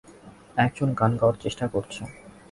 একজন গান গাওয়ার চেষ্টা করছে।